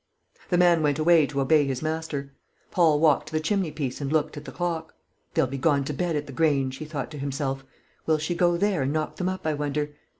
The man went away to obey his master. Paul walked to the chimneypiece and looked at the clock. "They'll be gone to bed at the Grange," he thought to himself. "Will she go there and knock them up, I wonder?